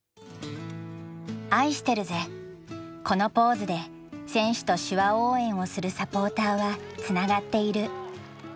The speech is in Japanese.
このポーズで選手と手話応援をするサポーターはつながっている。